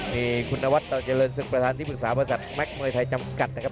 นี่คุณนวัดต่อเจริญศึกประธานที่ปรึกษาภาษาแมคเมอร์ไทยจำกัดนะครับ